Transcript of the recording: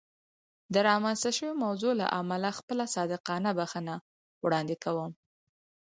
د رامنځته شوې موضوع له امله خپله صادقانه بښنه وړاندې کوم.